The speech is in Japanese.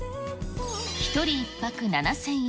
１人１泊７０００円。